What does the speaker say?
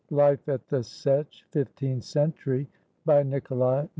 LIFE AT THE SETCH [Fifteenth century] BY NIKOLAI V.